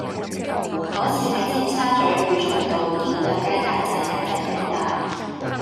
嗰次喺尖沙咀匯翔道見到有雞蛋仔格仔餅賣